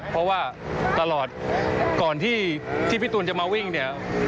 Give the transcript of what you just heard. เพราะว่าตลอดก่อนที่พี่ตูนจะมาวิ่งเนี่ย